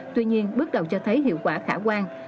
tuy nhiên bước đầu cho thấy hiệu quả khả quan